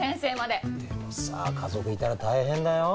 でもさ家族いたら大変だよ。